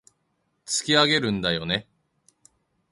突き上げるんだよね